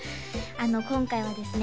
今回はですね